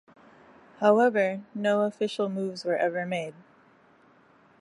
However, no official moves were ever made.